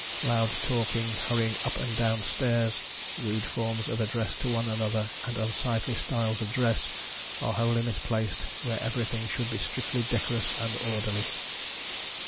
Loud talking, hurrying up and down stairs, rude forms of address to one another, and unsightly styles of dress, are wholly misplaced where everything should be strictly decorous and orderly.